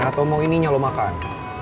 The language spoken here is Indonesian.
atau mau ininya lo makan